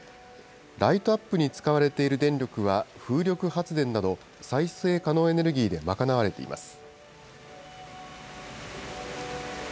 ライトアップに使われている電力は風力発電など、再生可能エネルギーで賄われています。